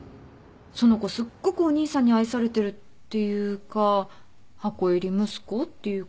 その子すっごくお兄さんに愛されてるっていうか箱入り息子っていうか。